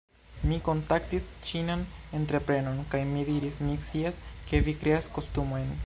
- mi kontaktis ĉinan entreprenon kaj mi diris, "Mi scias, ke vi kreas kostumojn.